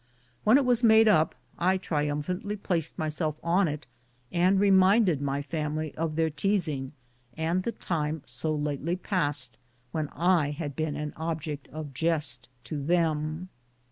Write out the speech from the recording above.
When it was made up, I triumphantly placed myself on it, and reminded my family of their teasing, and the time, so lately past, when I had been an object of jest to them.